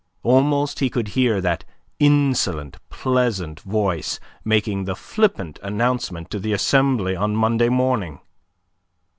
Almost he could hear that insolent, pleasant voice making the flippant announcement to the Assembly on Monday morning.